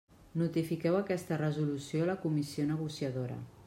Notifiqueu aquesta resolució a la Comissió negociadora.